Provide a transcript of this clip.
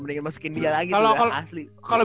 aduh namasih yang botak tuh